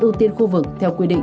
ưu tiên khu vực theo quy định